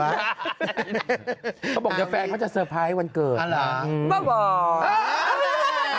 เขาบอกว่าแฟนเขาจะเซอร์ไพรส์ให้วันเกิดอ่าเหรอบ้าบ่า